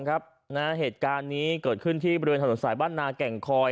อ่อหือเหตุการณ์นี้เกิดขึ้นที่บริเวณ๒๐๒๑บริเวณฐานสมสายบ้านนาแก่งคอย